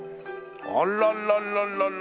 あらららら。